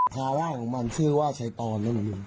ทาว่าของมันชื่อว่าชัยตอน